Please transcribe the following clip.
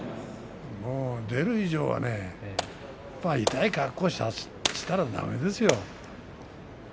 出る以上は痛い格好をしたらだめですよ。